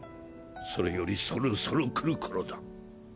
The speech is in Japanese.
それよりそろそろ来る頃だ。